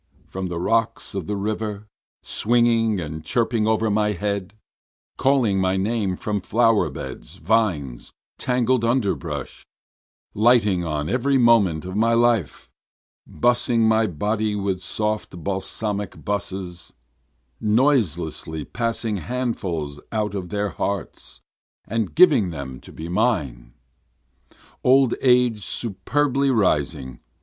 from the rocks of the river, swinging and chirping over my head, Calling my name from flower beds, vines, tangled underbrush, Lighting on every moment of my life, Bussing my body with soft balsamic busses, Noiselessly passing handfuls out of their hearts and giving them to be mine. Old age superbly rising!